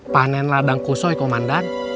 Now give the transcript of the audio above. panen ladang kusoi komandan